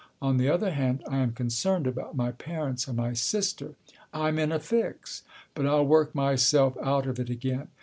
On the other hand, I am concerned about my parents and my sister. I'm in a fix, but I'll work myself out of it again.